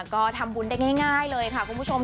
ก็ทำบุญได้ง่ายเลยค่ะคุณผู้ชม